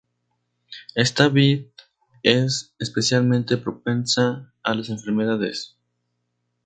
Esta vid es especialmente propensa a las enfermedades.